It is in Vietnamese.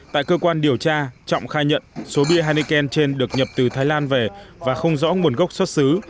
tại cơ quan điều tra trọng khai nhận số bia heineken trên được nhập từ thái lan về và không rõ nguồn gốc xuất xứ